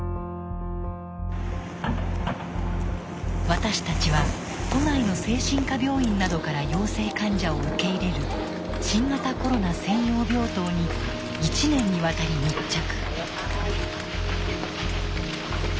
私たちは都内の精神科病院などから陽性患者を受け入れる新型コロナ専用病棟に１年にわたり密着。